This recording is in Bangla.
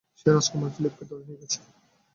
সে রাজকুমার ফিলিপকে ধরে নিয়ে গেছে।